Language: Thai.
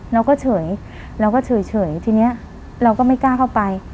เราก็เฉยเราก็เฉยทีนี้เราก็ไม่กล้าเข้าไป